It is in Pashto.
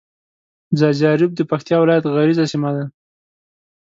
ځاځي اريوب د پکتيا ولايت غرييزه سيمه ده.